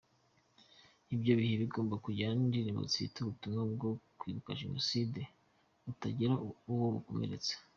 Ibyo bihe bigomba kujyana n’indirimbo zifite ubutumwa bwo kwibuka Jenoside, butagira uwo bukomeretsa.